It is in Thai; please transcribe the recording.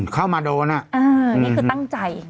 เข้ามาโดนนี่คือตั้งใจ